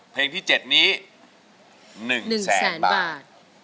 เพลงที่๗นี้๑แสนบาท